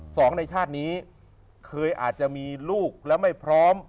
สองในชาตินี้เคยอาจจะมีลูกและไม่พร้อม